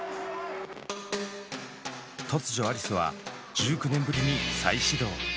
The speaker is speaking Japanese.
突如アリスは１９年ぶりに再始動